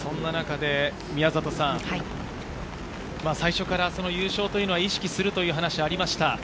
そんな中で宮里さん、最初から優勝は意識するという話がありました。